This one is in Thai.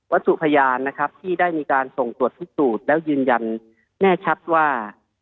สุพยานนะครับที่ได้มีการส่งตรวจพิสูจน์แล้วยืนยันแน่ชัดว่า